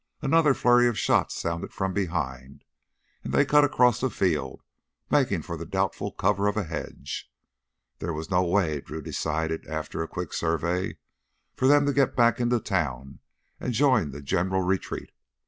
Another flurry of shots sounded from behind, and they cut across a field, making for the doubtful cover of a hedge. There was no way, Drew decided after a quick survey, for them to get back into town and join the general retreat.